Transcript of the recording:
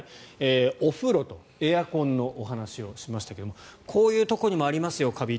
お風呂とエアコンのお話をしましたけどもこういうところにもありますよカビ。